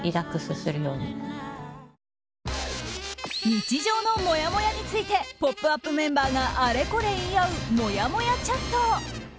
日常のもやもやについて「ポップＵＰ！」メンバーがあれこれ言い合うもやもやチャット。